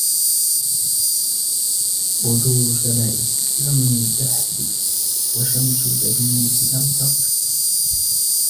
بدور سمائك لم تحجب وشمس جبينك لم تغرب